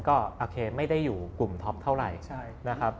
ก็โอเคไม่ได้อยู่กลุ่มท็อปเท่าไหร่นะครับ